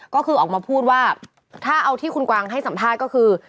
ก็คือออกมาพูดว่าถ้าเอาที่คุณกวางให้สัมภาษณ์ก็คือ